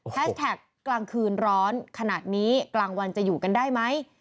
แท็กกลางคืนร้อนขนาดนี้กลางวันจะอยู่กันได้ไหม